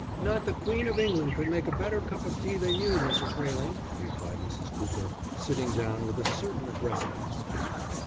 "Not the Queen of England could make a better cup of tea than you, Mrs. Railing," replied Mrs. Cooper, sitting down with a certain aggressiveness.